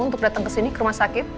untuk datang kesini ke rumah sakit